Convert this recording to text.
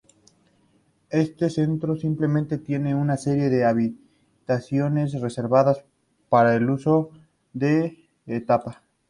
Este centro siempre tiene una serie de habitaciones reservadas para el uso del papa.